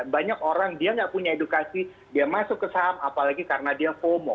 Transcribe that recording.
banyak orang dia nggak punya edukasi dia masuk ke saham apalagi karena dia fomo